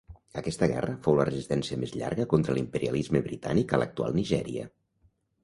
Aquesta guerra fou la resistència més llarga contra l'imperialisme britànic a l'actual Nigèria.